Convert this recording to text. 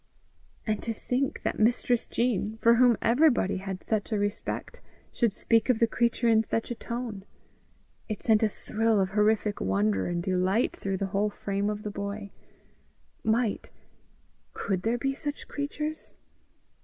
And to think that Mistress Jean, for whom everybody had such a respect, should speak of the creature in such a tone! it sent a thrill of horrific wonder and delight through the whole frame of the boy: might, could there be such creatures?